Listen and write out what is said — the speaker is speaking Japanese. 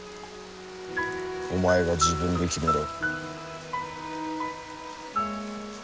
お前が自分で決めろ。